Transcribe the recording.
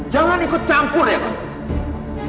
jangan ikut campur ya pak